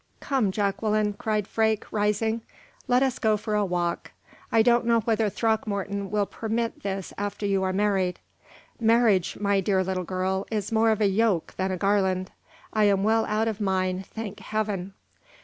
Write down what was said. "Come, Jacqueline," cried Freke, rising, "let us go for a walk. I don't know whether Throckmorton will permit this after you are married. Marriage, my dear little girl, is more of a yoke than a garland. I am well out of mine, thank Heaven!"